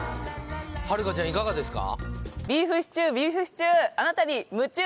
はるかちゃんいかがですか？